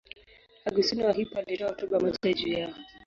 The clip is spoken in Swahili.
Augustino wa Hippo alitoa hotuba moja juu yao.